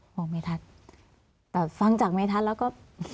บอกเมทัศน์แต่ฟังจากเมทัศน์แล้วก็